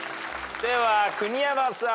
では国山さん。